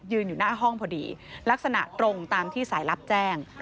อยู่หน้าห้องพอดีลักษณะตรงตามที่สายลับแจ้ง